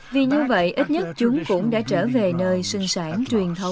vì như vậy ít nhất chúng cũng đã trở về nơi sinh sản truyền thống